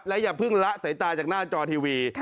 อย่าเพิ่งละสายตาจากหน้าจอทีวี